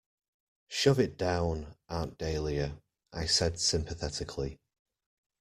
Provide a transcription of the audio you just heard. "Shove it down, Aunt Dahlia," I said sympathetically.